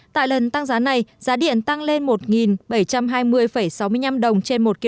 tại lần tăng giá này giá điện tăng lên một đồng